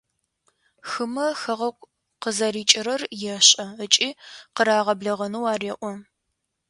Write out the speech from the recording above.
Хымэ хэгъэгу къызэрикӏырэр ешӏэ, ыкӏи къырагъэблэгъэнэу ареӏо.